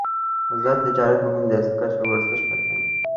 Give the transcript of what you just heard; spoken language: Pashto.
آزاد تجارت مهم دی ځکه چې ورزش هڅوي.